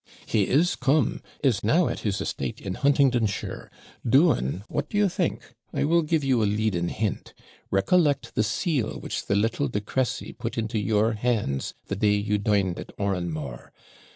'He is come; is now at his estate is Huntingdonshire; doing, what do you think? I will give you a leading hint; recollect the seal which the little De Cresey put into your hands the day you dined at Oranmore.